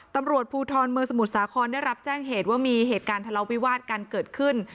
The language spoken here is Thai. ตำรวจภูทรเมืองสมุทรสาครได้รับแจ้งเหตุว่ามีเหตุการณ์ทะเลาวิวาสกันเกิดขึ้น